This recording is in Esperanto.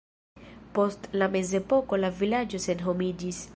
Post la mezepoko la vilaĝo senhomiĝis.